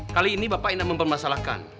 kali ini bapak ingin mempermasalahkan